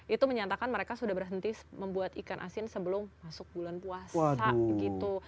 itu menyatakan mereka sudah berhenti membuat ikan asin sebelum masuk bulan puasa gitu